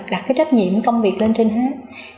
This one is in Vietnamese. đặt cái trách nhiệm với công việc lên trên hết